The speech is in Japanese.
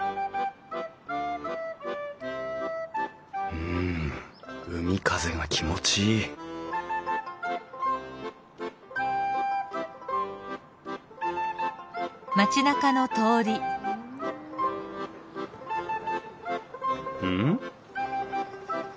うん海風が気持ちいいん？